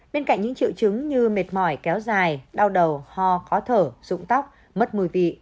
bên cạnh những triệu chứng như mệt mỏi kéo dài đau đầu ho khó thở rụng tóc mất mùi vị